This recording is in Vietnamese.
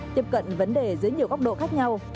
tiếp cận vấn đề dưới nhiều góc độ khác nhau